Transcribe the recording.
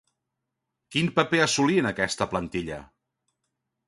Quin paper assolí en aquesta plantilla?